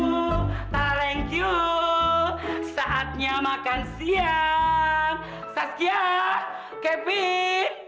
yuk taleng q saatnya makan siang saskia kevin